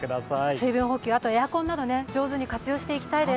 水分補給、あとはエアコンなどを上手に活用していきたいです。